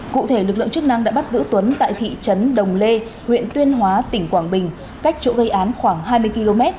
cụ thể lực lượng chức năng đã bắt giữ tuấn tại thị trấn đồng lê huyện tuyên hóa tỉnh quảng bình cách chỗ gây án khoảng hai mươi km